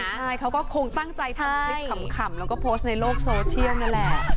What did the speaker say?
ใช่เขาก็คงตั้งใจทำคลิปขำแล้วก็โพสต์ในโลกโซเชียลนั่นแหละ